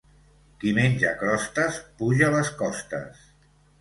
Qui menja crostes puja les costes.